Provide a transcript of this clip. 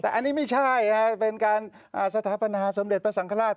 แต่อันนี้ไม่ใช่ค่ะเป็นการสัตว์ภาณาสมเด็จประสังขราช